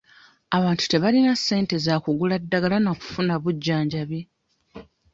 Abantu tebalina ssente za kugula ddagala na kufuna bujjanjabi.